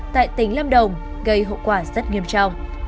tại tỉnh lâm đồng gây hậu quả rất nghiêm trọng